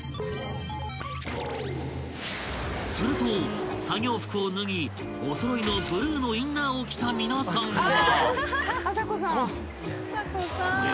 ［すると作業服を脱ぎお揃いのブルーのインナーを着た皆さんが］